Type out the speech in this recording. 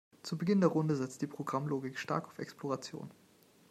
Zu Beginn der Runde setzt die Programmlogik stark auf Exploration.